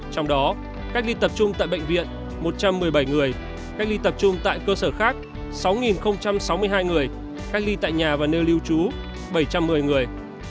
trong đó cách ly tập trung tại bệnh viện một trăm một mươi bảy người cách ly tập trung tại cơ sở khác sáu sáu mươi hai người cách ly tại nhà và nơi lưu trú bảy trăm một mươi người